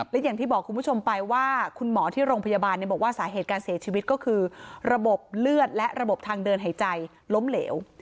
และอย่างที่บอกคุณผู้ชมไปว่าคุณหมอที่โรงพยาบาลบอกว่าสาเหตุการเสียชีวิตก็คือระบบเลือดและระบบทางเดินหายใจล้มเหลว